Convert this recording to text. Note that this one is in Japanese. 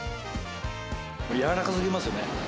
柔らかすぎますよね。